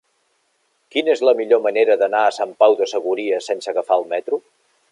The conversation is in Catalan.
Quina és la millor manera d'anar a Sant Pau de Segúries sense agafar el metro?